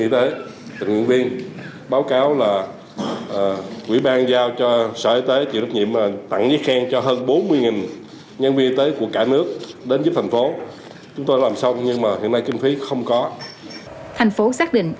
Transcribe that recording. thành phố xác định